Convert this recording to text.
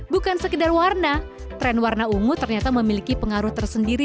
bukan sekedar warna tren warna ungu ternyata memiliki pengaruh tersendiri